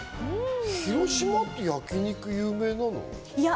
広島って焼き肉有名なの？